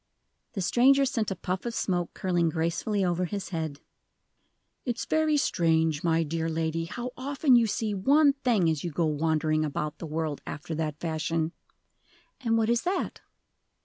The stranger sent a puff of smoke curling gracefully over his head. "It's very strange, my dear lady, how often you see one thing as you go wandering about the world after that fashion." "And what is that?"